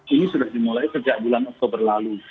ini sudah dimulai sejak bulan oktober lalu